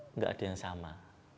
enggak ada yang sama